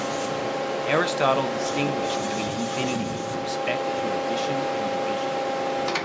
Aristotle distinguished between infinity with respect to addition and division.